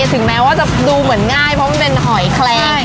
ถึงแม้ว่าจะดูเหมือนง่ายเพราะมันเป็นหอยแคลง